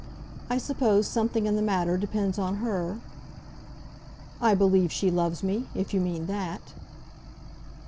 "I suppose something in the matter depends on her?" "I believe she loves me, if you mean that?"